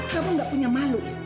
kamu gak punya malu